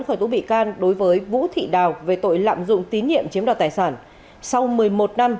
khởi tố bị can đối với vũ thị đào về tội lạm dụng tín nhiệm chiếm đoạt tài sản sau một mươi một năm